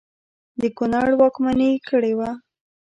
د کنړ واکمني کړې وه.